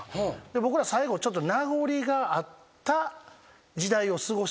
僕ら最後ちょっと名残があった時代を過ごしてるんですよね。